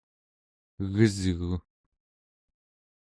egesgu!